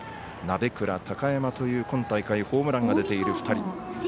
鍋倉、高山という今大会ホームランが出ている２人。